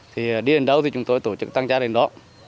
thì đi đến đâu thì chúng tôi tổ chức tăng gia đến đó